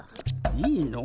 いいの？